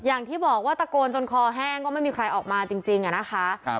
อย่างที่บอกว่าตะโกนจนคอแห้งก็ไม่มีใครออกมาจริงอะนะคะ